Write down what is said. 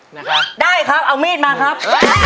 โอ้ยได้ครับเอามีดมาครับ